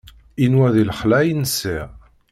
Inwa di lexla ay nsiɣ.